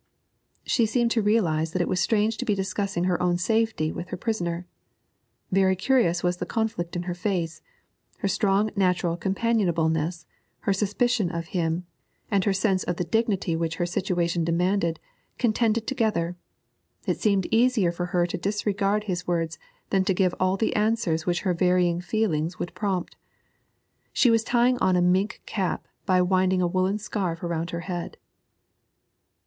She seemed to realise that it was strange to be discussing her own safety with her prisoner. Very curious was the conflict in her face; her strong natural companionableness, her suspicion of him, and her sense of the dignity which her situation demanded, contending together. It seemed easier for her to disregard his words than to give all the answers which her varying feelings would prompt. She was tying on a mink cap by winding a woollen scarf about her head.